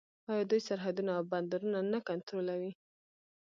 آیا دوی سرحدونه او بندرونه نه کنټرولوي؟